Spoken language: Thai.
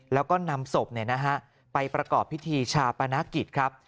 แล้วก็นำศพไปประกอบพิธีชาปนกิจครับ